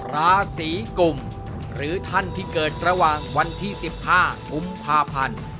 ราศีกุมหรือท่านที่เกิดระหว่างวันที่๑๕กุมภาพันธ์